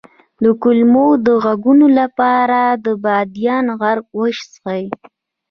د کولمو د غږونو لپاره د بادیان عرق وڅښئ